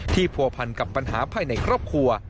ผัวพันกับปัญหาภายในครอบครัว